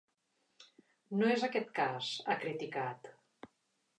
No és aquest cas, ha criticat.